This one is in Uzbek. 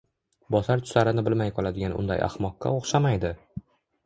– Bosar-tusarini bilmay qoladigan unday ahmoqqa o‘xshamaydi.